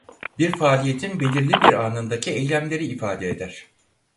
Bir faaliyetin belirli bir anındaki eylemleri ifade eder.